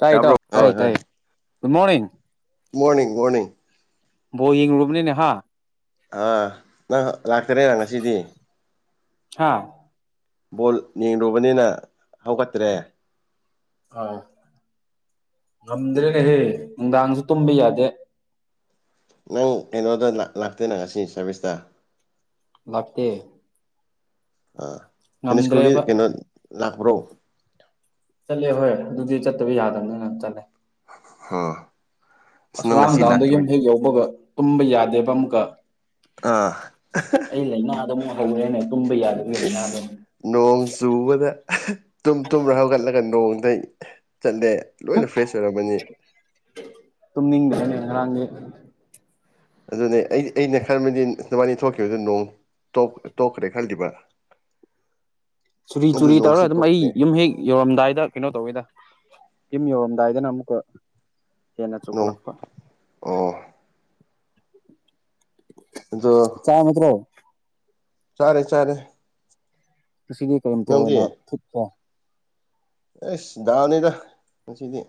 ꯇꯥꯏ ꯇ ꯇꯥꯕ꯭ꯔꯣ ꯇꯥꯏ ꯍꯣꯏ ꯇꯥꯏ ꯍꯣꯏ ꯒꯗ ꯃꯣꯔꯅꯤꯡ ꯃꯣꯔꯅꯤꯡ ꯃꯣꯔꯅꯤꯡ ꯣ ꯔꯨꯕꯅꯤꯅꯦ ꯍꯥ ꯑꯥ ꯅꯪ ꯂꯥꯛꯇꯔꯦꯔ ꯉꯁꯤꯗꯤ ꯍꯥꯥ ꯕꯣꯜ ꯌꯦꯡꯂꯔꯨꯕꯅꯤꯅ ꯍꯧꯒꯠꯇ꯭ꯔꯦ ꯑ ꯉꯝꯗ꯭ꯔꯦꯅꯦꯍꯦ ꯅꯨꯡꯗꯥꯡꯁꯨ ꯇꯨꯝꯕ ꯌꯥꯗꯦ ꯅꯪ ꯀꯩꯅꯣꯗ ꯂꯥꯛꯇꯣꯏꯅꯪ ꯉꯁꯤ ꯁꯥꯔꯚꯤꯁꯇ ꯂꯥꯛꯇ ꯑꯥ ꯁꯤꯅꯤ ꯁ꯭ꯀꯨꯜꯗꯤ ꯀꯩꯅꯣ ꯂꯥꯛꯄ꯭ꯔꯣ ꯆꯠꯂꯦ ꯍꯣꯏ ꯑꯗꯨꯗꯤ ꯆꯠꯇꯕ ꯌꯥꯗꯕꯅꯤꯅꯪ ꯆꯠꯂꯦ ꯑꯥ ꯑꯁ ꯅꯪ ꯑꯁꯔꯥꯡ ꯉꯁꯤ ꯅꯨꯡꯗꯥꯡꯗꯒꯤ ꯑꯃ ꯂꯥꯛꯇꯕꯒꯤ ꯍꯦꯛ ꯌꯥꯎꯕꯒ ꯄꯨꯝꯕ ꯌꯥꯗꯦꯕ ꯑꯃꯒ ꯑꯥ ꯑꯩ ꯂꯥꯏꯅꯥꯗ ꯑꯃꯨꯛ ꯍꯧꯔꯦꯅꯦ ꯇꯨꯝꯕ ꯌꯥꯗꯒꯤ ꯂꯥꯏꯅꯥꯗ ꯏꯁ ꯅꯣꯡ ꯆꯨꯕꯗ ꯇꯨꯝ ꯇꯨꯝ ꯍꯧꯒꯠꯂꯒ ꯅꯣꯡ ꯑꯗ ꯆꯠꯂꯦ ꯂꯣꯏꯅ ꯐ꯭ꯔꯦꯁ ꯑꯣꯏꯔꯝꯃꯅꯤ ꯥꯡꯒꯦ ꯑꯗꯨꯅꯦ ꯑꯩ ꯑꯩꯅ ꯈꯜꯕꯗꯤ ꯅꯕꯥꯅꯤ ꯊꯣꯛꯈꯤꯕꯗꯨ ꯅꯣꯡ ꯇꯣꯛꯈ꯭ꯔꯦ ꯈꯜꯂꯤꯜꯂꯤꯕ꯭ꯔꯥ ꯆꯨꯔꯤ ꯆꯨꯔꯤ ꯇꯧꯔ ꯑꯗꯨꯝ ꯑꯩ ꯇꯣꯛꯇꯦ ꯌꯨꯝ ꯍꯦꯛ ꯌꯧꯔꯝꯗꯥꯏꯗ ꯀꯩꯅꯣ ꯇꯧꯋꯤꯗ ꯌꯨꯝ ꯌꯧꯔꯝꯗꯥꯏꯗꯅ ꯑꯃꯨꯛꯀ ꯍꯦꯟꯅ ꯅꯣꯡ ꯆꯥꯎꯈꯠꯂꯛꯄ ꯑꯣ ꯑꯗꯣ ꯆ ꯃꯇ꯭ꯔꯣ ꯆꯔꯦ ꯆꯔꯦ ꯁꯤꯗꯤ ꯀꯔꯤꯝꯇ ꯑꯩꯈ ꯑꯣꯏꯅ ꯊꯤꯠꯄꯣ ꯑꯦꯁ ꯅꯤꯗ ꯃꯁꯤꯗꯤ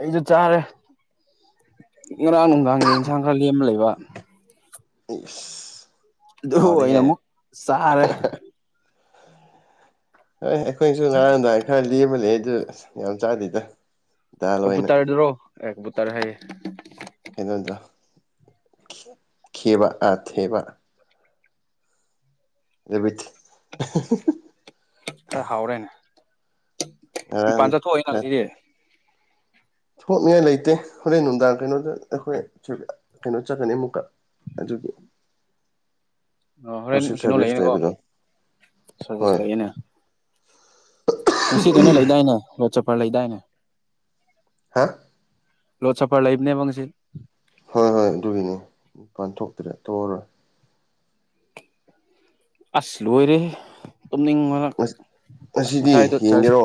ꯑꯩꯁꯨ ꯆꯥꯔꯦ ꯉꯔꯥꯡ ꯅꯨꯡꯗꯥꯡꯒꯤ ꯏꯟꯁꯥꯡ ꯈꯔ ꯂꯦꯝꯃ ꯂꯩꯕ ꯑꯗꯨ ꯑꯣꯏꯅ ꯍꯗꯍꯦ ꯑꯃꯨꯛ ꯆꯥꯔꯦ ꯍꯣꯏ ꯑꯩꯈꯣꯏꯁꯨ ꯉꯥꯔꯝꯗꯥꯏ ꯈꯔ ꯂꯦꯝꯕ ꯂꯩ ꯑꯗꯨ ꯌꯥꯝ ꯆꯥꯗꯦꯗ ꯗꯥꯜ ꯀꯝꯄꯨ ꯑꯣꯏꯅ ꯇꯔꯗꯨ꯭ꯔꯣ ꯑꯦ ꯀꯝꯄꯨ ꯇꯔꯦ ꯍꯥꯏꯌꯦ ꯗ ꯈꯦꯕ ꯑꯥ ꯊꯦꯕ ꯑꯦꯃꯤꯠ ꯑ ꯍꯥꯎꯔꯦꯅ ꯉꯔꯥꯡ ꯄꯥꯟ ꯆꯠ ꯈꯔ ꯊꯣꯛꯑꯣꯏꯅꯁꯤꯗꯤ ꯊꯣꯛꯅꯤꯡꯉꯥꯏ ꯂꯩꯇꯦ ꯍꯣꯔꯦꯟ ꯅꯨꯡꯗꯥꯡ ꯀꯩꯅꯣꯗ ꯑꯩꯈꯣꯏ ꯀꯩꯅꯣ ꯆꯠꯀꯅꯤ ꯑꯃꯨꯛꯀ ꯑꯗꯨꯒꯤ ꯑꯣ ꯍꯣꯔꯦꯟ ꯋꯥꯔꯁꯤꯞ ꯀꯩꯅꯣ ꯁꯥꯔꯚꯤꯁ ꯂꯩꯌꯦꯅꯦꯀꯣ ꯂꯩꯕꯗꯣ ꯁꯥꯔꯚꯤꯁ ꯍꯣꯏ ꯂꯩꯌꯦꯅꯦ ꯉꯅꯨꯡꯁꯤꯇꯅ ꯂ ꯂꯩꯗꯥꯏꯅꯦ ꯔꯣꯖ ꯆꯄꯔ ꯂ ꯂꯩꯗꯥꯏꯅꯦ ꯍꯥ ꯂꯣ ꯆꯄ ꯂꯥꯏꯕꯅꯦ ꯃꯪꯁꯤ ꯍꯣꯏ ꯍꯣꯏ ꯑꯗꯨꯒꯤꯅꯦ ꯄꯥꯟꯊꯣꯛꯇ꯭ꯔꯦ ꯊꯣꯛꯑꯔꯣꯏ ꯑꯁ ꯂꯣꯏꯔꯦ ꯇꯨꯝꯅꯤꯡꯕꯅ ꯉꯁꯤꯗꯤ ꯉꯁꯥꯏꯗ ꯌꯦꯡꯒꯦꯔꯣ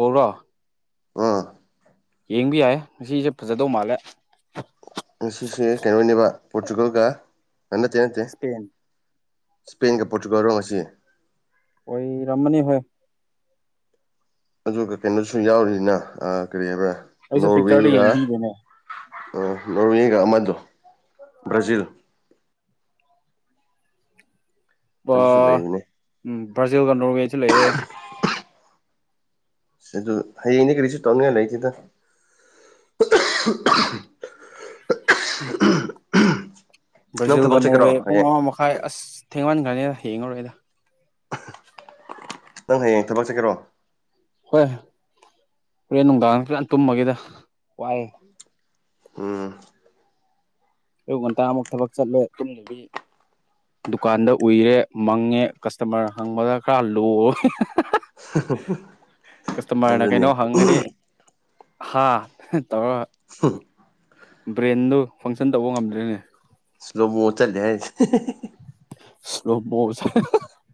ꯧꯔ ꯑꯥ ꯌꯦꯡꯕ ꯌꯥꯏ ꯉꯁꯤꯁꯦ ꯐꯖꯗꯧ ꯃꯥꯜꯂꯦ ꯉꯁꯦ ꯀꯩꯅꯣꯅꯦꯕ ꯄꯣꯔꯇꯨꯒꯜꯒ ꯅꯠꯇꯦ ꯅꯠꯇꯦ ꯏꯁꯄꯦꯟ ꯏꯁꯄꯦꯟꯒ ꯄꯣꯔꯇꯨꯒꯜ ꯔꯣ ꯑꯁꯤ ꯑꯩꯣꯏ ꯔꯃꯅꯤ ꯍꯣꯏ ꯑꯗꯨꯒ ꯀꯩꯅꯣꯁꯨ ꯌꯥꯎꯔꯤꯅ ꯀꯔꯤ ꯍꯥꯏꯕ꯭ꯔ ꯑꯩꯁꯨ ꯄꯤꯛꯆꯔꯗꯣ ꯌꯦꯡꯕꯤꯒꯦꯅꯦ ꯑ ꯅꯣꯒ ꯃꯗꯨ ꯭ꯔꯖꯤꯤꯜ ꯑ ꯑꯗꯨꯁꯨ ꯂꯩꯕꯅꯦ ꯎꯝ ꯕ꯭ꯔꯖꯜ ꯀꯔꯒꯁꯤ ꯂꯩꯌꯦꯦ ꯑꯗꯨ ꯍꯌꯦꯡꯅꯦ ꯀꯔꯤꯁꯨ ꯇꯧꯅꯤꯡꯉꯥꯏ ꯂꯩꯇꯦꯗ [unintelligible] ꯅꯪ ꯊꯕꯛ ꯕ꯭ꯔꯥꯖꯤꯜꯒ ꯆꯠꯀꯦꯔꯣ ꯅꯣꯋꯦ ꯄꯨꯡ ꯍꯌꯦꯡ ꯑꯃ ꯃꯈꯥꯏ ꯑꯁ ꯊꯦꯡꯃꯟꯈ꯭ꯔꯅꯤꯅ ꯌꯦꯡꯉꯨꯔꯣꯏꯗ ꯅꯪ ꯍꯌꯦꯡ ꯊꯕꯛ ꯆꯠꯀꯦꯔꯣ ꯍꯣꯏ ꯍꯣꯔꯦꯟ ꯅꯨꯡꯗꯥꯡ ꯄꯨꯂꯥꯟ ꯇꯨꯝꯃꯒꯦꯗ ꯋꯥꯏꯑꯦ ꯎꯝ ꯑꯌꯨꯛ ꯉꯟꯇꯥ ꯑꯃꯨꯛ ꯊꯕꯛ ꯆꯠꯂꯦ ꯑꯗꯨꯟꯅꯗꯤ ꯗꯨꯀꯥꯟꯗ ꯎꯏꯔꯦ ꯃꯪꯉꯦ ꯀꯁꯇꯃꯔ ꯍꯪꯕꯗ ꯈꯔ ꯂꯣꯛꯑꯣ ꯀꯁꯇꯃꯔꯅ ꯑꯗꯨꯅꯤ ꯀꯩꯅꯣ ꯍꯪꯉꯗꯤ ꯍꯥꯥ ꯇ ꯕ꯭ꯔꯦꯟꯗꯨ ꯐꯪꯁꯟ ꯇꯧꯕ ꯉꯝꯗ꯭ꯔꯦꯅꯦ ꯁꯂꯣꯃꯣ ꯆꯂꯦ ꯣꯁ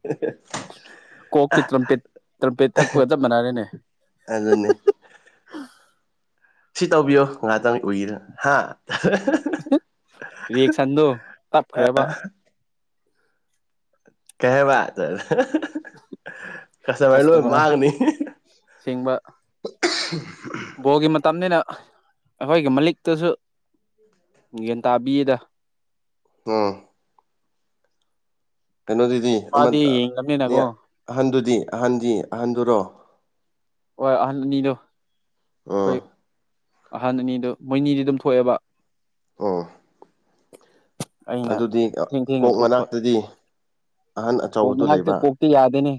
ꯑ ꯇ꯭ꯔꯝꯄꯦꯠ ꯇ꯭ꯔꯝꯄꯦꯠ ꯊꯛꯄꯒ ꯆꯞ ꯃꯥꯟꯅꯔꯦꯅꯦ ꯑꯖꯅꯦ ꯁꯤ ꯇꯧꯕꯤꯌꯣ ꯉꯥꯏꯍꯥꯛꯇꯪ ꯎꯏꯗ ꯍꯥ ꯔꯤꯌꯦꯛꯁꯟꯗꯣ ꯇꯞꯈ꯭ꯔꯦꯕ ꯀꯩꯕꯥ ꯇ ꯀꯁꯇꯃꯔ ꯂꯣꯏ ꯃꯥꯡꯉꯅꯤ ꯁꯦꯡꯕ [unintelligible] ꯇꯝꯅꯤꯅ ꯑꯩꯈꯣꯏꯒꯤ ꯃꯂꯤꯛꯇꯁꯨ ꯒ꯭ꯌꯥꯟ ꯇꯥꯕꯤꯌꯦꯗ ꯑꯥ ꯀꯩꯅꯣꯗꯨꯗꯤ ꯑꯃ ꯃꯥꯗꯤ ꯌꯦꯡꯂꯕꯅꯤꯅꯀꯣ ꯑꯍꯟꯗꯨꯗꯤ ꯑꯍꯟꯗꯤ ꯑꯍꯟꯗꯨꯔꯣ ꯍ ꯃꯤꯗ ꯑꯥ ꯑꯍꯟ ꯑꯅꯤꯗꯨ ꯃꯣꯏꯅꯤꯗꯤ ꯑꯗꯨꯝ ꯊꯣꯛꯑꯦꯕ ꯑꯣ ꯑꯩꯅ ꯑꯗꯨꯗꯤ ꯊꯦꯡ ꯊꯦꯡꯅ ꯀꯣꯛ ꯊꯣꯛꯄ ꯃꯅꯥꯛꯇꯗꯤ ꯑꯍꯟ ꯀꯣꯛ ꯑꯆꯧꯕꯗꯨ ꯃꯅꯥꯛꯇꯤ ꯂꯩꯕ ꯀꯣꯛꯇꯤ ꯌꯥꯗꯦꯅꯤ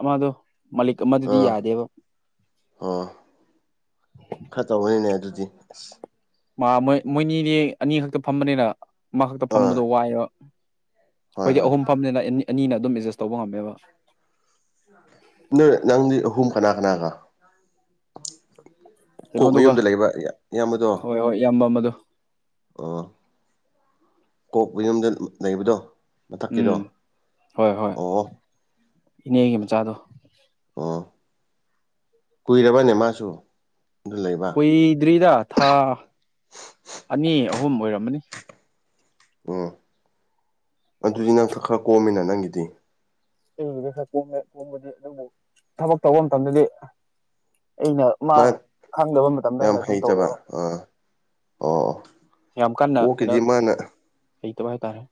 ꯑꯃꯗꯣ ꯃꯥꯂꯤꯛ ꯑꯃꯗꯨꯗꯤ ꯑꯥ ꯌꯥꯗꯦꯕ ꯑꯣ ꯈꯔ ꯇꯧꯕꯅꯤꯅꯦ ꯑꯗꯨꯗꯤ ꯁ ꯣꯏ ꯃꯣꯏꯅꯤꯗꯤ ꯑꯅꯤ ꯈꯛꯇ ꯐꯝꯕꯅꯤꯅ ꯃꯥ ꯈꯛꯇ ꯑꯥ ꯐꯝꯕꯗꯣ ꯋꯥꯏꯑꯕ ꯍꯣꯏ ꯑꯩꯈꯣꯏꯗꯤ ꯍꯣꯏ ꯑꯍꯨꯝ ꯐꯝꯅꯤꯅ ꯑꯅꯤꯅ ꯑꯗꯨꯝ ꯑꯦꯗꯖꯁ ꯇꯧꯕ ꯉꯝꯃꯦꯕ ꯅꯣꯏ ꯅꯪꯗꯤ ꯑꯍꯨꯝ ꯀꯅꯥ ꯀꯅꯥ ꯀ ꯀꯣꯛ ꯀꯩꯅꯣꯗꯨꯒ ꯃꯌꯨꯝꯗ ꯂꯩꯕ ꯏꯌꯥꯝꯕꯗꯣ ꯍꯣꯏ ꯍꯣꯏ ꯏꯌꯥꯝꯕ ꯑꯃꯗꯣ ꯑꯣ ꯀꯣꯛꯄ ꯌꯨꯝꯗ ꯂꯩꯕꯗꯣ ꯃꯊꯛꯀꯤꯗꯣ ꯎꯝ ꯍꯣꯏ ꯍꯣꯏ ꯑꯣ ꯏꯅꯦꯒꯤ ꯃꯆꯥꯗꯣ ꯑꯣ ꯀꯨꯏꯔꯕ ꯅꯦꯃꯁꯨ ꯀꯨꯏꯗ꯭ꯔꯤꯗ ꯊꯥ ꯑꯅꯤ ꯑꯍꯨꯝ ꯑꯣꯏꯔꯝꯃꯅꯤ ꯑꯣ ꯑꯗꯨꯗꯤ ꯅꯪ ꯈ ꯈꯔ ꯀꯣꯝꯃꯤꯅ ꯅꯪꯒꯤꯗꯤ ꯈꯔꯣꯃꯦ ꯀꯣꯕꯗꯤ ꯑꯗꯨꯕꯨ ꯊꯕꯛ ꯇꯧꯕ ꯃꯇꯝꯗꯗꯤ ꯑꯩꯅ ꯃꯥ ꯈꯪꯗꯕ ꯃꯇꯝꯗ ꯌꯥꯝ ꯑꯩꯅ ꯑꯗꯨꯝ ꯍꯩꯇꯕ ꯇꯧꯋꯦꯕ ꯑꯥ ꯑꯣ ꯌꯥꯝ ꯀꯟꯅ ꯀꯩꯅꯣ ꯀꯣꯛꯀꯤꯗꯤ ꯃꯥꯅ ꯍꯇꯕ ꯍꯥꯏꯇꯥꯔꯦ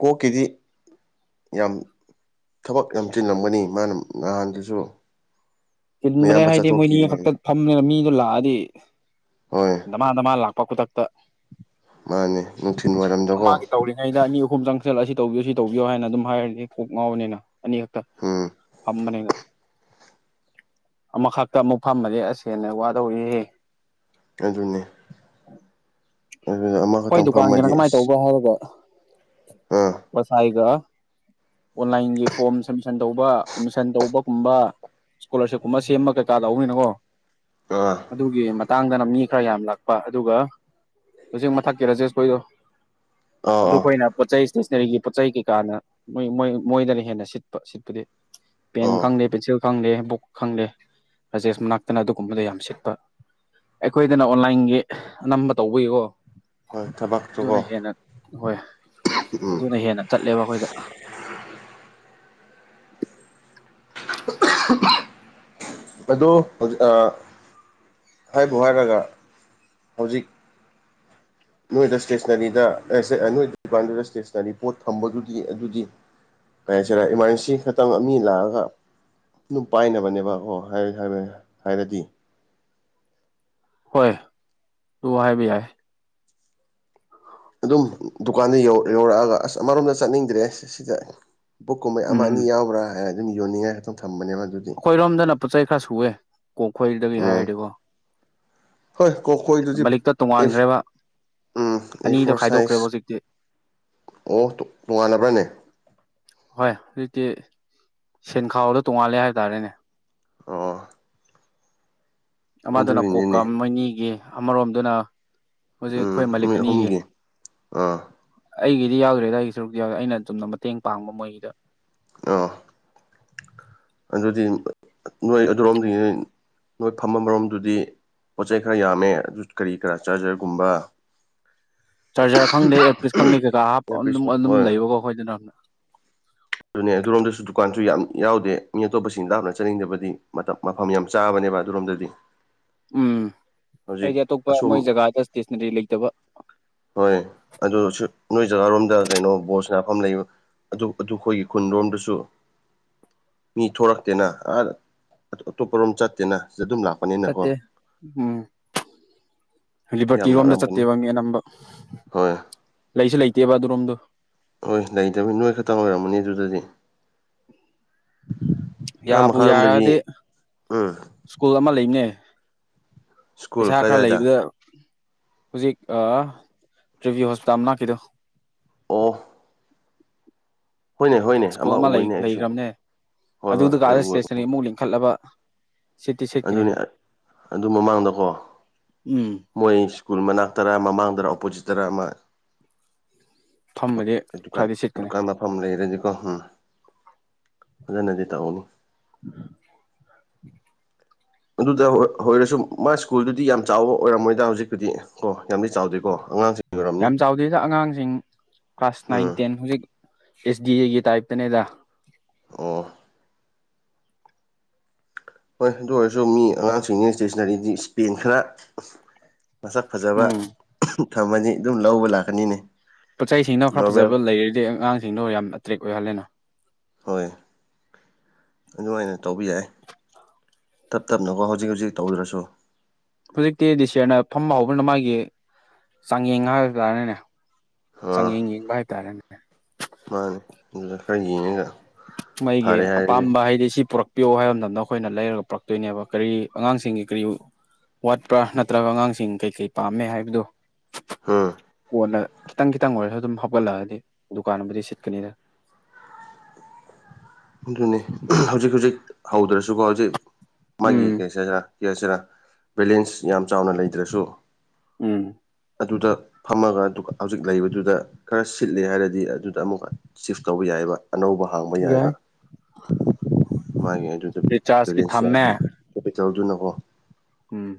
ꯀꯣꯀꯤꯗꯤ ꯌꯥꯝ ꯊꯕꯛ ꯌꯥꯝꯁꯤꯤꯜꯂꯝꯝꯒꯅꯤ ꯃꯥꯅ ꯅꯍꯥꯟꯗꯁꯨ ꯆꯤꯟꯕꯅꯦ ꯍꯥꯏꯗꯤ ꯃꯣꯏꯅꯤ ꯈꯛꯇ ꯐꯝꯅꯤꯅ ꯃꯤꯗꯣ ꯂꯥꯛꯑꯗꯤ ꯍꯣꯏ ꯗꯃꯥꯟ ꯃꯥ ꯂꯥꯛꯄ ꯈꯨꯗꯛꯇ ꯃꯥꯅꯦ ꯅꯨꯡꯊꯤꯜ ꯋꯥꯏꯔꯝꯗꯀꯣ ꯃꯥꯒꯤ ꯇꯧꯔꯤꯉꯩꯗ ꯑꯅꯤ ꯑꯍꯨꯝꯗꯪ ꯍꯛꯆꯜꯂ ꯑꯁꯤ ꯇꯧꯕꯤꯌꯨ ꯁꯤ ꯇꯧꯕꯤꯌꯣ ꯍꯥꯏꯅ ꯑꯗꯨꯝ ꯍꯥꯏꯔꯗꯤꯦ ꯀꯣꯛ ꯉꯥꯎꯕꯅꯤꯅ ꯑꯅꯤ ꯍꯛꯇ ꯎꯝ ꯐꯝꯕꯅꯦꯒ ꯑꯃꯈꯛꯇ ꯑꯃꯨꯛ ꯐꯝꯃꯔꯦ ꯑꯁꯦꯅ ꯋꯥꯗꯧꯔꯤꯍꯦ ꯑꯗꯨ ꯑꯗꯨꯅꯦ ꯑꯗꯨꯅ ꯍꯣꯏ ꯑꯃꯈꯛꯇꯪ ꯗꯨꯀꯥꯟꯒꯤꯅ ꯐꯝꯃꯗꯤ ꯀꯃꯥꯏꯅ ꯑꯁ ꯇꯧꯕꯒ ꯍꯥꯏꯕꯕ ꯑꯥ ꯉꯁꯥꯏꯒ ꯑꯣꯟꯂꯥꯏꯟꯒꯤ ꯐꯣꯔꯝ ꯁꯃꯤꯁꯟ ꯇꯧꯕ ꯑꯦꯃꯤꯁꯟ ꯇꯧꯕꯒꯨꯝꯕ ꯏꯁꯀꯣꯂꯥꯔꯁꯤꯞꯀꯨꯝꯕ ꯁꯦꯝꯕ ꯀꯩꯀꯥꯗꯎꯅꯤꯅꯀꯣ ꯑꯥ ꯑꯗꯨꯒꯤ ꯃꯇꯥꯡꯗꯅ ꯃꯤ ꯈꯔ ꯌꯥꯝ ꯂꯥꯛꯄ ꯑꯗꯨꯒ ꯍꯧꯖꯤꯛ ꯃꯊꯛꯀꯤ ꯔꯖꯦꯁꯈꯣꯏꯗꯣ ꯑꯥ ꯑꯥ ꯑꯗꯨꯈꯣꯏꯅ ꯄꯣꯠ ꯆꯩꯩ ꯏꯁꯇꯦꯁꯅꯔꯤꯒꯤ ꯄꯣꯠ ꯆꯩ ꯀꯩꯀꯥꯅ ꯃꯣꯏꯣꯏ ꯃꯣꯏꯗꯅ ꯍꯦꯟꯅ ꯁꯤꯠꯄ ꯁꯤꯠꯄꯗꯤ ꯄꯦꯟ ꯑꯥ ꯈꯪꯗꯦ ꯄꯤꯆꯜ ꯈꯪꯗꯦ ꯑꯗꯨꯕꯛ ꯈꯪꯂꯦ ꯔꯥꯖꯦꯁ ꯃꯅꯥꯛꯇꯅ ꯑꯗꯨꯒꯨꯝꯕꯗ ꯌꯥꯝ ꯁꯤꯠꯄ ꯑꯩꯈꯣꯏꯗꯅ ꯑꯣꯟꯂꯥꯏꯟꯒꯤ ꯑꯅꯝꯕ ꯇꯧꯕꯌꯀꯣ ꯍꯣꯏ ꯑꯗꯨꯅ ꯊꯕꯛꯇꯨꯀꯣ ꯍꯦꯟꯅ ꯍꯣꯏ ꯑꯗꯨꯅ ꯍꯦꯟꯅ ꯆꯠꯂꯦꯕ ꯑꯩꯈꯣꯏꯗ ꯑꯗꯨꯗꯣ ꯍꯧ ꯑ ꯍꯥꯏ ꯕꯣꯍꯥꯏ ꯒꯒꯥ ꯍꯧꯖꯤꯛ ꯅꯣꯏꯗ ꯏꯁꯇꯦꯁꯟꯅꯔꯤꯗ ꯅꯣꯏ ꯗꯨꯀꯥꯟꯗꯨꯗ ꯏꯁꯇꯦꯁꯟꯅꯔꯤ ꯄꯣꯠ ꯊꯝꯕꯗꯨꯗꯤ ꯑꯗꯨꯗꯤ ꯀꯩ ꯍꯥꯏꯁꯤꯔ ꯏꯃꯥꯔꯖꯦꯟꯁꯤ ꯈꯛꯇꯪ ꯃꯤ ꯂꯥꯛꯑꯒ ꯑꯗꯨꯝ ꯄꯥꯏꯅꯕꯅꯦꯕ ꯑꯣ ꯍꯥꯏꯔꯗꯤ ꯍꯣꯏ ꯎꯍꯥꯏꯕꯤ ꯌꯥ ꯑꯗꯨꯝ ꯗꯨꯀꯥꯟꯗ ꯌꯧꯔꯛꯑꯒ ꯑꯁ ꯑꯃꯔꯣꯝꯗ ꯆꯠꯅꯤꯡꯗ꯭ꯔꯦ ꯁꯤꯗ ꯕꯨꯛ ꯀꯨꯝꯕꯩ ꯑꯃ ꯎꯝ ꯑꯅꯤ ꯎꯝ ꯌꯥꯎꯕ꯭ꯔꯥ ꯍꯥꯏꯅ ꯑꯗꯨꯝ ꯌꯣꯟꯅꯤꯡꯉꯥꯏ ꯈꯤꯇ ꯑꯩꯈꯣꯏꯔꯣꯝꯗꯅ ꯄꯣꯠ ꯆꯩꯩ ꯈꯔ ꯁꯨꯑꯦ ꯀꯣꯛꯈꯣꯏꯗꯒꯤ ꯎꯝ ꯍꯥꯏꯔꯗꯤꯀꯣ ꯍꯣꯏ ꯀꯣꯈꯣꯏ ꯑꯗꯨꯗꯤ ꯃꯂꯤꯛꯇ ꯎ ꯇꯣꯡꯉꯥꯟꯈ꯭ꯔꯦꯕ ꯏ ꯑꯅꯤꯗꯣ ꯐꯣꯔ ꯈꯥꯏꯗꯣꯛꯈ꯭ꯔꯦꯕ ꯍꯧꯖꯤꯛꯇꯤ ꯁꯥꯏꯖ ꯑꯣ ꯇꯣꯉꯥꯟꯅꯕ꯭ꯔꯥꯅꯦ ꯍꯣꯏ ꯍꯧꯖꯤꯛꯇꯤ ꯁꯦꯟ ꯈꯥꯎꯗꯣ ꯇꯣꯡꯉꯥꯜꯂꯦ ꯍꯥꯏ ꯇꯔꯦꯅꯦ ꯑꯣ ꯑꯃꯗꯨꯅ ꯀꯣꯛꯀ ꯑꯗꯨꯒꯤꯅꯤꯅꯦ ꯃꯅꯤꯒꯤ ꯑꯃꯔꯣꯝꯗꯨꯅ ꯍꯧꯖꯤꯛ ꯎꯝ ꯑꯩꯈꯣꯏ ꯃꯂꯤꯛ ꯅꯣꯏ ꯑꯅꯤꯒꯤ ꯑꯍꯨꯝꯒꯤ ꯑꯥ ꯑꯩꯒꯤ ꯑꯗꯨꯗꯤ ꯌꯥꯎꯗ꯭ꯔꯦ ꯑꯗꯨꯋꯥꯏꯒꯤ ꯁꯔꯨꯛꯇ ꯌꯥꯎꯦ ꯑꯩꯅ ꯑꯨꯝꯅ ꯃꯇꯦꯡ ꯄꯥꯡꯕ ꯃꯣꯏꯒꯤꯗ ꯑ ꯑꯗꯨꯗꯤ ꯅꯣꯏ ꯑꯗꯨꯣꯝꯗꯤ ꯅꯣꯏ ꯅꯣꯏ ꯐꯝꯕ ꯃꯔꯣꯝꯗꯨꯗꯤ ꯄꯣꯠ ꯆꯩ ꯈꯔ ꯌꯥꯝꯃꯦ ꯑꯗꯨ ꯀꯔꯤ ꯀꯔꯥ ꯆꯥꯔꯖꯔꯒꯨꯝꯕ ꯆꯥꯔꯖꯔ ꯈꯪꯗꯦ ꯏꯌꯥꯔꯄꯤꯤꯁ ꯈꯪꯗꯦ ꯀꯩꯀꯥ ꯍꯥꯞ ꯏꯌꯥꯔꯄꯤꯁ ꯑꯗꯨꯝ ꯑꯗꯨꯝ ꯍꯣꯏ ꯂꯩꯕꯀꯣ ꯑꯩꯈꯣꯏꯗꯅꯅ ꯑꯗꯨꯅꯦ ꯑꯗꯨꯔꯣꯝꯗꯁꯨ ꯗꯨꯀꯥꯟ ꯁꯨ ꯌꯥꯝ ꯌꯥꯎꯗꯦ ꯃꯤ ꯑꯇꯣꯞꯄꯁꯤꯡ ꯂꯥꯞꯅ ꯆꯥꯅꯤꯡꯗꯕꯗꯤ ꯃꯇꯝ ꯃꯐꯝ ꯌꯥꯝ ꯆꯥꯕꯅꯦꯕ ꯑꯗꯨꯔꯣꯝꯗꯗꯤ ꯎꯝ ꯍꯧꯖꯤꯛ ꯑꯩꯗꯤ ꯑꯇꯣꯞꯄ ꯃꯣꯏ ꯑꯁꯨꯝ ꯖꯒꯥꯗ ꯏꯁꯇꯦꯁꯅꯔꯤ ꯂꯩꯇꯕ ꯍꯣꯏ ꯑꯗꯨ ꯅꯣꯏ ꯖꯒꯥꯔꯣꯝꯗ ꯀꯩꯅꯣ ꯣꯁ ꯐꯝ ꯂꯩꯕ ꯑꯗꯨ ꯑꯩꯈꯣꯏꯒꯤ ꯈꯨꯟꯔꯣꯝꯗꯁꯨ ꯃꯤ ꯊꯣꯛꯣꯔꯛꯇꯦꯅ ꯑꯇꯣꯞꯄꯔꯣꯝ ꯆꯠꯇꯦꯅ ꯁꯤ ꯑꯗꯨꯝ ꯂꯥꯛꯄꯅꯤꯅꯀꯣ ꯆꯠꯇꯦ ꯂꯤꯕꯔꯇꯤ ꯌꯥꯝ ꯔꯣꯝꯗ ꯂꯥꯛꯔꯝꯒꯅꯤ ꯆꯠꯇꯦꯕ ꯃꯤ ꯑꯅꯝꯕ ꯍꯣꯏ ꯂꯩꯁꯨ ꯂꯩꯇꯦꯕ ꯑꯗꯨꯔꯣꯝꯗꯣ ꯍꯣꯏ ꯂꯩꯇꯕꯅꯤ ꯅꯣꯏ ꯈꯛꯇꯪ ꯑꯣꯏꯔꯝꯃꯅꯤ ꯑꯗꯨꯗꯗꯤ ꯑ ꯌꯥꯕꯨ ꯃꯥꯔꯝ ꯔꯖꯤ ꯌꯥꯔꯗꯤ ꯎꯝ ꯁ꯭ꯀꯨꯜ ꯑꯃ ꯂꯩꯕꯅꯦ ꯁ꯭ꯀꯨꯜ ꯄꯩꯁꯥ ꯈꯔ ꯀꯗꯥꯏꯗ ꯂꯩꯕꯗ ꯍꯧꯖꯤꯛ ꯇꯔꯤꯚꯤꯌꯨ ꯍꯣꯁꯄꯤꯇꯥꯜ ꯑꯃ ꯂꯈꯤꯗꯣ ꯑꯣ ꯍꯣꯏꯅꯦ ꯍꯣꯏꯅꯦ ꯁ꯭ꯀꯨꯜ ꯑꯃ ꯎꯏꯅꯦ ꯑꯩꯁꯨ ꯂꯩꯈ꯭ꯔꯕꯅꯦ ꯍꯣꯏ ꯍꯣꯏ ꯑꯩ ꯑꯗꯨꯗꯨꯒꯗ ꯎꯋꯦ ꯏꯁꯇꯦꯁꯅꯔꯤ ꯑꯃꯨꯛ ꯂꯤꯡꯈꯠꯂꯕ ꯁꯤꯠꯇꯤ ꯁꯤꯠꯀꯅꯤ ꯑꯗꯨꯅꯤ ꯑꯗꯨ ꯃꯃꯥꯡꯗꯀꯣ ꯎꯝ ꯃꯣꯏ ꯁ꯭ꯀꯨꯜ ꯃꯅꯥꯛ ꯇꯔꯥ ꯃꯃꯥꯡꯗꯔꯥ ꯑꯣꯄꯣꯖꯤꯠ ꯇꯔꯥ ꯑꯃ ꯐꯝꯕꯗꯤ ꯀꯥꯟ ꯈꯔꯗꯤ ꯁꯤꯠꯀꯅꯤ ꯗꯨꯀꯥꯟꯗ ꯐꯝ ꯂꯩꯔ ꯑꯍꯝ ꯐꯖꯅꯗꯤ ꯇꯥꯛꯑꯣꯅꯤ [inaudible] [inaudible] ꯑꯗꯨꯗ ꯑꯣꯏꯔꯁꯨ ꯃꯥ ꯁ꯭ꯀꯨꯜꯗꯨꯗꯤ ꯌꯥꯝ ꯆꯥꯎꯕ ꯑꯣꯏꯔꯝꯃꯣꯏꯗ ꯍꯧꯖꯤꯛꯄꯨꯗꯤ ꯀꯣ ꯌꯥꯝꯗꯤ ꯆꯥꯎꯗꯦꯀꯣ ꯑꯉꯥꯡꯁꯤꯡ ꯑꯣꯏꯔꯝꯅꯤ ꯌꯥꯝ ꯆꯥꯎꯗꯦꯗ ꯑꯉꯥꯡꯁꯤꯡ ꯀ꯭ꯂꯥꯁ ꯅꯥꯏꯟ ꯎꯝ ꯇꯦꯟ ꯍꯧꯖꯤꯛ ꯑꯦꯁꯗꯤꯒꯤ ꯇꯥꯏꯞꯇꯅꯦꯗ ꯑꯣ ꯍꯣꯏ ꯑꯗꯨ ꯑꯣꯏꯔꯁꯨ ꯃꯤ ꯑꯉꯥꯡꯁꯤꯡꯁꯤ ꯏꯁꯇꯦꯁꯟꯅꯔꯤꯗꯤ ꯏꯁꯄꯦꯟ ꯈꯔ ꯃꯁꯛ ꯐꯖꯕ ꯎꯝ ꯊꯝꯃꯅꯤ ꯑꯗꯨꯝ ꯂꯧꯕ ꯂꯥꯛꯀꯅꯤꯅꯦ ꯄꯣꯠ ꯆꯩꯁꯤꯡꯅ ꯈꯔ ꯅꯣꯔꯃꯦꯜ ꯐꯖꯕ ꯂꯩꯔꯗꯤ ꯑꯉꯥꯡꯁꯤꯡꯗꯣ ꯌꯥꯝ ꯑꯦꯇ꯭ꯔꯦꯛ ꯑꯣꯏꯍꯜꯂꯦꯅ ꯍꯣꯏ ꯑꯗꯨꯃꯥꯏꯅ ꯇꯧꯕ ꯌꯥꯏ ꯇꯞ ꯇꯞꯅꯀꯣ ꯍꯧꯖꯤꯛ ꯍꯧꯖꯤꯛ ꯇꯧꯗ꯭ꯔꯁꯨ ꯍꯧꯖꯤꯛꯇꯤ ꯗꯤꯁꯤꯌꯔꯅ ꯐꯝ ꯍꯥꯎꯕꯅ ꯃꯥꯒꯤ ꯆꯥꯡꯌꯦꯡ ꯍꯥꯏꯕ ꯇꯥꯔꯅꯤꯅꯦ ꯑꯥ ꯁꯒ ꯚꯥꯏ ꯇꯔꯦꯅꯦ ꯂꯥꯏ ꯌꯦꯒ ꯃꯩꯒꯤ ꯑꯄꯥꯝꯕ ꯍꯥꯏꯗꯤ ꯁꯤ ꯄꯨꯔꯛꯄ ꯄꯤꯌꯣ ꯍꯥꯏꯕ ꯃꯇꯝꯗ ꯑꯩꯈꯣꯏꯅ ꯂꯩꯔꯒ ꯄꯨꯔꯛꯇꯣꯏꯅꯦꯕ ꯀꯔꯤ ꯑꯉꯥꯡꯁꯤꯡꯒꯤ ꯀꯔꯤ ꯋꯥꯠꯄ꯭ꯔꯥ ꯅꯠꯇ꯭ꯔꯒ ꯑꯉꯥꯡꯁꯤꯡ ꯀꯩ ꯀꯩ ꯄꯥꯝꯃꯦ ꯍꯥꯏꯕꯗꯨ ꯑ ꯅ ꯈꯤꯇꯪ ꯈꯤꯇꯪ ꯑꯣꯏꯔꯁꯨ ꯑꯗꯨꯝ ꯍꯥꯞꯒꯠꯂꯛꯑꯗꯤ ꯗꯨꯀꯥꯟꯕꯨꯗꯤ ꯁꯤꯠꯀꯅꯤꯗ [inaudible] ꯑꯗꯨꯅꯤ ꯍꯧꯖꯤꯛ ꯍꯧꯖꯤꯛ ꯍꯧꯗ꯭ꯔꯁꯨꯀꯣ ꯍꯧꯖꯤꯛ ꯃꯥꯒꯤ ꯎꯝ ꯀꯩꯁ ꯌꯦꯔꯁꯤꯔꯥ ꯕꯦꯂꯦꯟꯁ ꯌꯥꯝ ꯆꯥꯎꯅ ꯂꯩꯇ꯭ꯔꯁꯨ ꯎꯝ ꯑꯗꯨꯗ ꯐꯝꯃꯒ ꯍꯧꯖꯤꯛ ꯂꯩꯕꯗꯨꯗ ꯈꯔ ꯁꯤꯠꯂꯦ ꯍꯥꯏꯔꯗꯤ ꯑꯗꯨꯗ ꯑꯃꯨꯛꯀ ꯁꯤꯐ ꯇꯧꯕ ꯌꯥꯏꯕ ꯑꯅꯧꯕ ꯍꯥꯡꯕ ꯌꯥꯏꯕ ꯍ ꯃꯥꯒꯤ ꯑꯗꯨꯗ ꯕꯦꯂꯦꯟꯁ ꯌꯥꯎ ꯀꯦꯄꯤꯇꯦꯜꯗꯨꯅꯀꯣ ꯎꯝ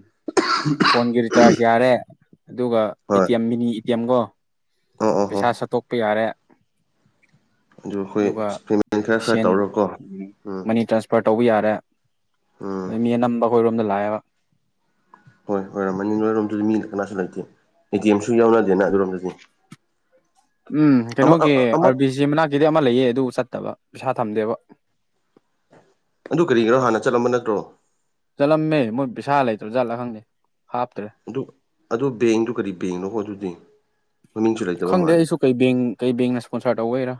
ꯐꯣꯟꯒꯤ ꯔꯤꯆꯥꯔꯖ ꯌꯥꯔꯦ ꯑꯗꯨꯒ ꯑꯦ ꯍꯣꯏ ꯇꯤ ꯑꯦꯝ ꯃꯤꯅꯤ ꯑꯦꯇꯤ ꯑꯦꯝꯒꯣ ꯑꯣ ꯑꯣ ꯍꯣ ꯄꯩꯁꯥ ꯁꯠꯇꯣꯛꯄ ꯌꯥꯔꯦ ꯑꯗꯨ ꯑꯩꯈꯣꯏ ꯑꯗꯨꯒ ꯑꯦꯛꯁꯄꯔꯤꯃꯦꯟ ꯈꯔ ꯈꯔ ꯁꯦꯟ ꯇꯧꯔꯒꯀꯣ ꯎꯝ ꯃꯅꯤ ꯇ꯭ꯔꯥꯟꯁꯐꯔꯠ ꯇꯧꯕ ꯌꯥꯔꯦ ꯎꯝ ꯑꯗ ꯃꯤ ꯑꯅꯝꯕ ꯑꯩꯈꯣꯏꯔꯣꯝꯗ ꯂꯥꯛꯑꯦꯕ ꯍꯣꯏ ꯑꯣꯏꯣꯏꯔꯝꯃꯅꯤ ꯅꯣꯏꯔꯣꯝꯗꯗꯤ ꯃꯤ ꯀꯅꯥꯁꯨ ꯂꯩꯇꯦ ꯑꯦ ꯇꯤ ꯑꯦꯝꯁꯨ ꯌꯥꯎꯅꯗꯦꯅ ꯑꯗꯨꯔꯣꯝꯗꯗꯤ ꯎꯝ ꯑꯃ ꯀꯩꯅꯅꯣ ꯀ ꯑꯃ ꯑꯕꯤ ꯃꯅꯥ ꯀ ꯑꯗꯨ ꯑꯃ ꯂꯩꯌꯦ ꯑꯗꯨ ꯆꯠꯇꯕ ꯄꯩꯁꯥ ꯊꯝꯗꯦꯕ ꯑꯗꯨ ꯀꯔꯤꯒꯤꯅꯣ ꯍꯥꯟꯅ ꯆꯠꯂꯝꯕ ꯅꯠꯇ꯭ꯔꯣ ꯆꯠꯂꯝꯃꯦ ꯃꯣꯏ ꯄꯩꯁꯥ ꯂꯩꯇ꯭ꯔꯕ ꯆꯠꯂ ꯈꯪꯗꯦ ꯍꯥꯞꯇ꯭ꯔꯦ ꯑꯗꯨ ꯑꯗꯨ ꯕꯦꯡꯗꯨ ꯀꯔꯤ ꯕꯦꯡꯅꯣ ꯍꯣ ꯑꯗꯨꯗꯤ ꯃꯃꯤꯡꯁꯨ ꯂꯩꯇꯕ ꯈꯪꯗꯦ ꯃꯥꯜꯂꯦ ꯑꯩꯁꯨ ꯀꯩ ꯕꯦꯡ ꯀꯩ ꯕꯦꯡꯅ ꯏꯁꯄꯣꯟꯁꯥꯔ ꯇꯧꯩꯔꯥ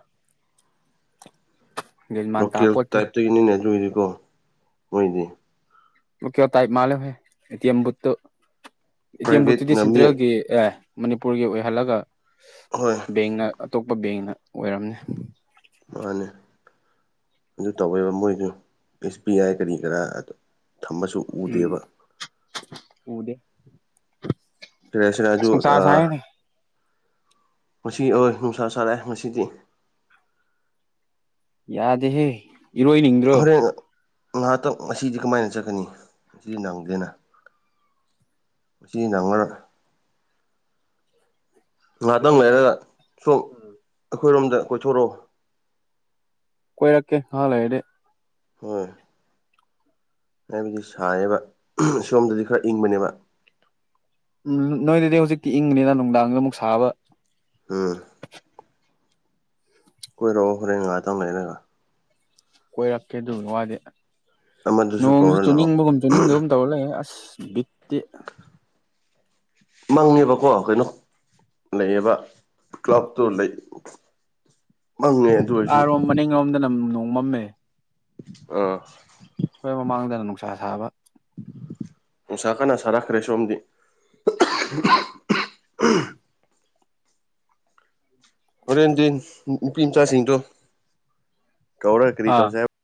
ꯒ꯭ꯌꯥꯟ ꯃꯥꯟ ꯇꯥ ꯂꯣꯀꯦꯜ ꯄꯣꯠꯇꯦ ꯇꯥꯏꯞꯇꯒꯤꯅꯤꯅꯦ ꯑꯗꯨꯗꯤꯀꯣ ꯃꯣꯏꯗꯤ ꯑꯣ ꯀꯦ ꯇꯥꯏꯞ ꯃꯥꯂꯦ ꯍꯦꯝꯕꯨ ꯏꯇꯦꯝꯕꯨꯠꯇꯨꯗꯤ ꯄ꯭ꯔꯥꯏꯚꯦꯠꯅ ꯃꯤ ꯁꯦꯟꯇ꯭ꯔꯦꯜꯒꯤ ꯑꯦ ꯃꯅꯤꯄꯨꯔꯒꯤ ꯑꯣꯏꯍꯜꯂꯒ ꯍꯣꯏ ꯕꯦꯡꯅ ꯑꯇꯣꯞꯄ ꯕꯦꯡꯅ ꯑꯣꯏꯔꯝꯅꯤ ꯃꯥꯅꯤ ꯑꯗꯨ ꯇꯧꯋꯦꯕ ꯃꯣꯏꯁꯨ ꯑꯦꯁ ꯄꯤ ꯑꯥꯏ ꯀꯔꯤ ꯀꯔꯥ ꯊꯝꯃꯁꯨ ꯎꯝ ꯎꯗꯦꯕ ꯎꯗꯦ ꯀꯦꯁ ꯑꯁ ꯔꯥꯖꯨ ꯑ ꯅꯨꯡꯁꯥ ꯁꯥꯏꯅꯦ ꯃꯁꯤ ꯑꯣꯏ ꯅꯨꯡꯁꯥ ꯁꯥꯔꯑꯦ ꯉꯁꯤꯗꯤ ꯌꯥꯗꯦꯍꯦ ꯏꯔꯣꯏꯅꯤꯡꯗ꯭ꯔꯣ ꯉꯍꯥꯛꯇꯪ ꯉꯁꯤꯗꯤ ꯀꯃꯥꯏꯅ ꯆꯠꯀꯅꯤ ꯑꯁꯤꯗꯤ ꯅꯪꯗꯦꯅ ꯃꯁꯤ ꯅꯪꯉꯔ ꯉꯍꯥꯛꯇꯪ ꯏꯔꯣꯏꯕ ꯂꯩꯔꯒ ꯁꯣꯝ ꯑꯩꯈꯣꯏꯔꯣꯝꯗ ꯀꯣꯏꯊꯣꯔꯛꯑꯣ ꯀꯣꯏꯔꯛꯀꯦ ꯍꯥ ꯂꯩꯗꯦ ꯍꯣꯏ ꯍꯥꯏꯕꯗꯤ ꯁꯔꯕ ꯁꯣꯝꯗꯗꯤ ꯈꯔ ꯏꯪꯕꯅꯦꯕ ꯎ ꯅꯣꯏꯗꯗꯤ ꯍꯧꯖꯤꯛꯇꯤ ꯏꯪꯕꯅꯤꯅ ꯅꯨꯡꯗꯥꯡꯗ ꯑꯃꯨꯛ ꯁꯥꯕ ꯍꯥꯥ ꯀꯣꯏ ꯔꯣ ꯍꯔꯉ ꯇ ꯃꯔ ꯀꯣꯏꯔꯛꯀꯦ ꯑꯗꯨꯒꯤ ꯋꯥꯗꯤ ꯑꯃꯗꯨꯁꯨ ꯅꯣꯡꯁꯨ ꯀꯧꯔ ꯂꯥꯛꯑꯣ ꯆꯨꯅꯤꯡꯕꯒꯨꯝ ꯆꯨꯅꯤꯡꯗ ꯑꯗꯨꯨꯝ ꯇꯧꯔ ꯂꯩꯦ ꯑꯁ [inaudible] ꯃꯪꯉꯦꯕꯀꯣ ꯀꯩꯅꯣ ꯂꯩꯌꯦꯕ ꯀ꯭ꯂꯞꯇꯨ ꯎꯝ ꯂꯩ [unintelligible] ꯑꯗꯨ ꯑꯣꯏꯔꯁꯨ ꯑꯥꯔꯣꯝ ꯃꯅꯤꯡꯔꯣꯝꯗꯅꯝ ꯅꯣꯡꯃꯝꯃꯦ ꯑ ꯑꯩꯈꯣꯏ ꯃꯃꯥꯡꯗꯅ ꯅꯨꯡꯁꯥ ꯁꯥꯕ ꯅꯨꯡꯁꯥ ꯀꯅꯥꯁꯔꯛꯈ꯭ꯔꯦ ꯁꯣꯝꯗꯤ [unintelligible] ꯍꯣꯔꯦꯟꯗꯤ ꯅꯨꯄꯤ ꯃꯆꯥꯁꯤꯡꯗꯣ ꯀꯧꯔꯒ ꯀꯔꯤ ꯑꯥ ꯇꯧꯁꯦ ꯍꯥꯏꯕ